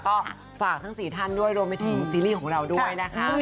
ก็ฝากทั้ง๔ท่านด้วยรวมไปถึงซีรีส์ของเราด้วยนะคะ